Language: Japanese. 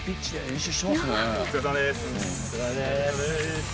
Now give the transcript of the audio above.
お疲れさまです。